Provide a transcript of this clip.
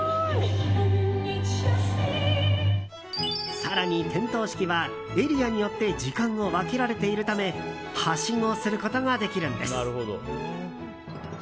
更に点灯式は、エリアによって時間を分けられているためはしごすることができるんです。